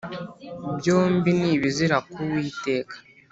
byombi ni ibizira ku uwiteka